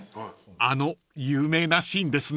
［あの有名なシーンですね］